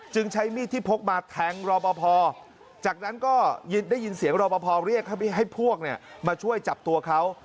ใช้มีดที่พกมาแทงรอปภจากนั้นก็ได้ยินเสียงรอปภเรียกให้พวกมาช่วยจับตัวเขา